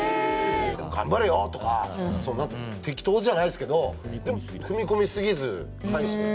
頑張れよ！とか適当じゃないですけどでも、踏み込みすぎず返して。